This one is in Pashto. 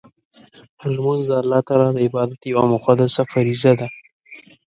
لمونځ د الله تعالی د عبادت یوه مقدسه فریضه ده.